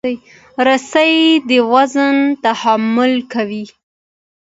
رسۍ د وزن تحمل کوي.